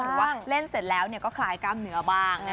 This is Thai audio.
หรือว่าเล่นเสร็จแล้วก็คลายกล้ามเนื้อบ้าง